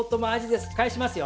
返しますよ。